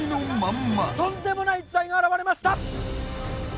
とんでもない逸材が現れました！